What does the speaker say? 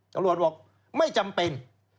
ตำรวจบอกไม่จำเป็น